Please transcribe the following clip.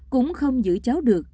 cũng không giữ cháu được